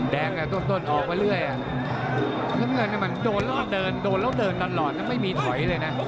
แดงกันต้นออกไปเรื่อยอ่ะน้องเงินมันเดินแล้วเดินนอลลอรดเพราะว่าไม่มีถอยเลยนะ